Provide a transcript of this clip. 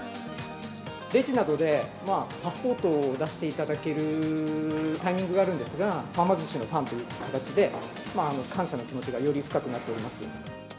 レジなどで、パスポートを出していただけるタイミングがあるんですが、はま寿司のファンという形で、感謝の気持ちがより深くなっております。